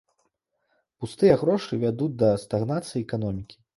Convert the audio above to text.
Пустыя грошы вядуць да стагнацыі эканомікі.